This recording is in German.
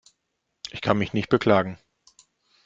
Ich kann mich nicht beklagen.